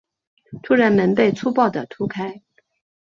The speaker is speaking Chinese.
突然门被粗暴的推开